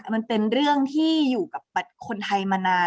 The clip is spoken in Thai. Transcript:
มันเป็นเรื่องที่อยู่กับคนไทยมานาน